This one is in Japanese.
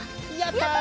やった！